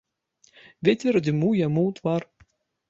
Вецер дзьмуў яму ў твар.